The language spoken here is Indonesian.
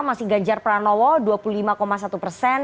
masih ganjar pranowo dua puluh lima satu persen